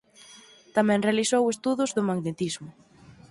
Tamén realizou estudos do magnetismo.